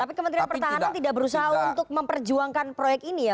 tapi kementerian pertahanan tidak berusaha untuk memperjuangkan proyek ini ya